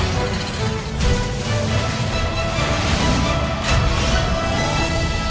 โปรดติดตามตอนต่อไป